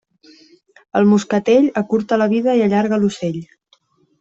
El moscatell acurta la vida i allarga l'ocell.